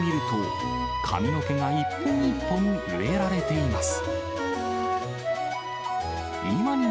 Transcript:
よく見てみると、髪の毛が一本一本植えられています。